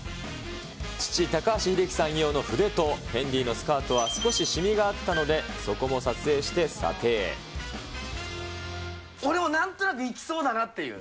父、高橋英樹さん用の筆と、フェンディのスカートは少し染みがあったので、そこも撮影して査俺もなんとなくいきそうだなっていう。